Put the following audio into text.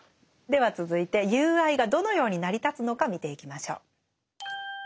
では続いて友愛がどのように成り立つのか見ていきましょう。